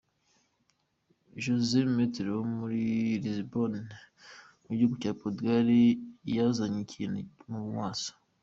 José Mestre wo muri Lisbonne mu gihugu cya Portugal yazanye ikintu mu maso.